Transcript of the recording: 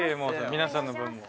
皆さんの分も。